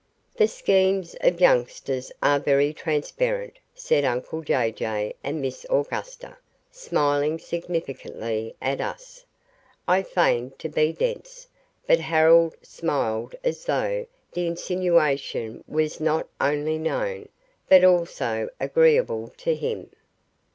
"The schemes of youngsters are very transparent," said uncle Jay Jay and Miss Augusta, smiling significantly at us. I feigned to be dense, but Harold smiled as though the insinuation was not only known, but also agreeable to him.